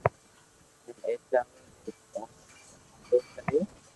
ھين اي چاور ري دوڻا ني آدو ڪريو